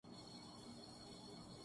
آواز ہی نہیں آرہی